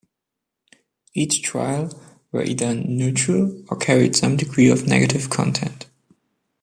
Each trial were either neutral or carried some degree of negative content.